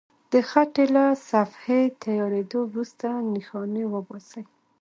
د خټې له صفحې تیارېدو وروسته نښانې وباسئ.